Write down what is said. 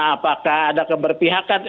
apakah ada keberpihakan